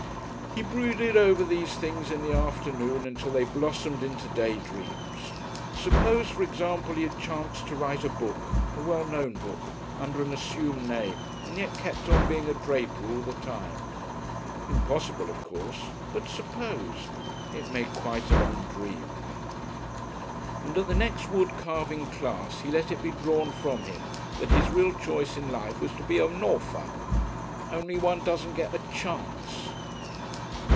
He brooded over these things in the afternoon, until they blossomed into daydreams. Suppose, for example, he had chanced to write a book, a well known book, under an assumed name, and yet kept on being a draper all the time.... Impossible, of course, but suppose it made quite a long dream. And at the next wood carving class he let it be drawn from him that his real choice in life was to be a Nawther "only one doesn't get a chance."